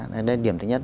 đó là điểm thứ nhất